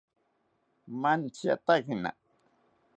Mantziyatakina